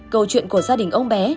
câu chuyện của gia đình ông bé